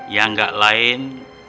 yang gak lain